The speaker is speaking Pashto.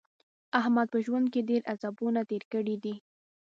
احمد په ژوند کې ډېر عذابونه تېر کړي دي.